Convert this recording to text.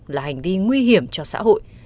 là hành vi nguy hiểm cho xã hội